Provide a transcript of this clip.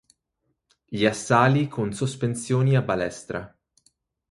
Gli assali con sospensioni a balestra.